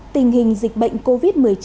tình hình dịch bệnh covid một mươi chín